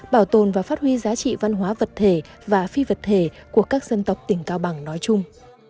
bảo tồn và phát huy giá trị văn hóa vật thể và phi vật thể của các dân tộc tỉnh cao bằng nói chung